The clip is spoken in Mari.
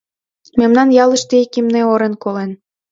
— Мемнан ялыште ик имне орен колен.